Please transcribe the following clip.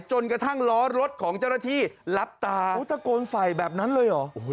จนกระทั่งล้อรถของเจ้าหน้าที่รับตาโอ้ตะโกนใส่แบบนั้นเลยเหรอ